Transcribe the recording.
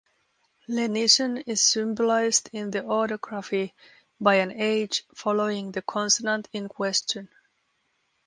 Lenition is symbolized in the orthography by an h following the consonant in question.